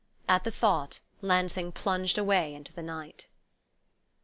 At the thought, Lansing plunged away into the night.